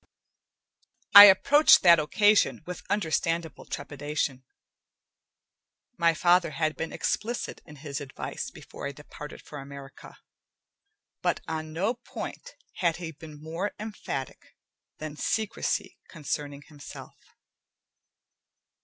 I approached that occasion with understandable trepidation. My father had been explicit in his advice before I departed for America, but on no point had he been more emphatic than secrecy concerning himself.